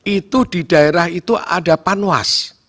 itu di daerah itu ada panwas